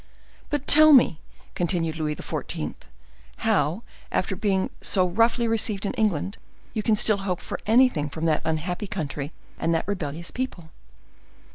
"But tell me," continued Louis XIV., "how, after being so roughly received in England, you can still hope for anything from that unhappy country and that rebellious people?"